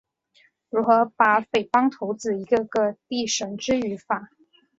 如何把匪帮头子一个个地绳之于法？